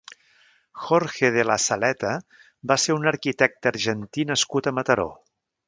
Jorge de Lassaletta va ser un arquitecte argentí nascut a Mataró.